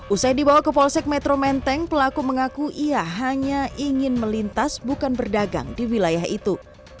usai dibawa ke polsek metro menteng pelaku mengaku ia hanya ingin melintas bukan berdagang di wilayah itu